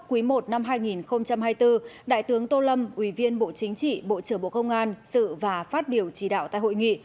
quý i năm hai nghìn hai mươi bốn đại tướng tô lâm ủy viên bộ chính trị bộ trưởng bộ công an sự và phát biểu chỉ đạo tại hội nghị